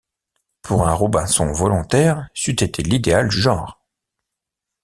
Pour un Robinson volontaire, c’eût été l’idéal du genre!